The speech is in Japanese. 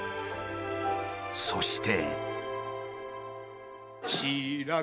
そして。